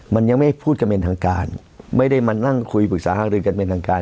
มันยังไม่พูดกันเป็นทางการไม่ได้มานั่งคุยปรึกษาหารือกันเป็นทางการ